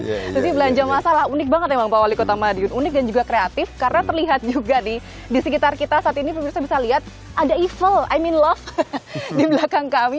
tapi belanja masalah unik banget emang pak wali kota madiun unik dan juga kreatif karena terlihat juga nih di sekitar kita saat ini pemirsa bisa lihat ada iffel ay min love di belakang kami